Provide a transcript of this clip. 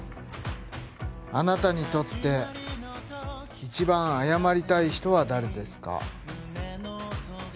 「あなたにとって一番謝りたい人は誰ですか？」